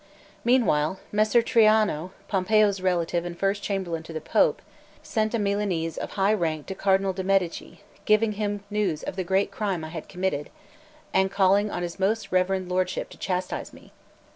Meanwhile, Messer Traiano, Pompeo's relative and first chamberlain to the Pope, sent a Milanese of high rank to Cardinal de' Medici, giving him news of the great crime I had committed, and calling on his most reverend lordship to chastise me.